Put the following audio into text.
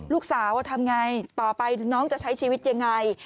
ว่าทำไงต่อไปน้องจะใช้ชีวิตยังไง